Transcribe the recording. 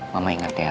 mama ingat ya